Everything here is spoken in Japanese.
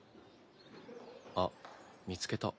あっ見つけた。